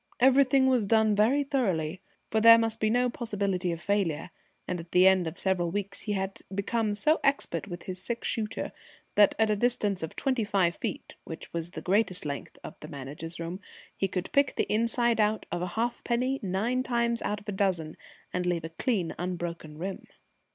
Everything was done very thoroughly, for there must be no possibility of failure; and at the end of several weeks he had become so expert with his six shooter that at a distance of 25 feet, which was the greatest length of the Manager's room, he could pick the inside out of a halfpenny nine times out of a dozen, and leave a clean, unbroken rim.